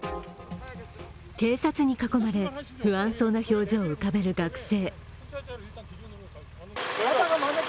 警察に囲まれ不安そうな表情を浮かべる学生。